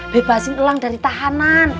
bebasin elang dari tahanan